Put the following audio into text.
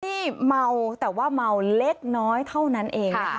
นี่เมาแต่ว่าเมาเล็กน้อยเท่านั้นเองนะคะ